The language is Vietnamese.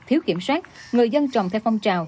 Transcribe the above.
thiếu kiểm soát người dân trồng theo phong trào